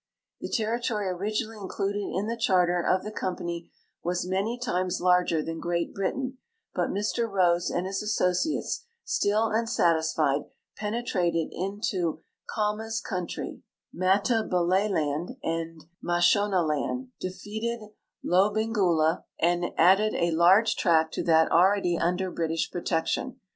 The territory originally included in the charter of the com pany "was many times larger than Great Britain, but Mr Rhodes and his associates, still unsatisfied, penetrated into Khama's country, Matabeleland and Mashonaland, defeated Lobengula, AFRICA SINCE 1888 161 and added a large tract to that already under British protection.